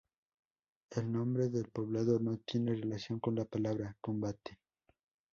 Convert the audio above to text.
El nombre del poblado no tiene relación con la palabra "combate".